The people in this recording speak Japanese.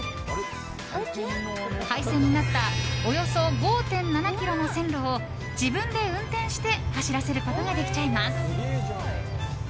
廃線となったおよそ５．７ｋｍの線路を自分で運転して走らせることができちゃいます。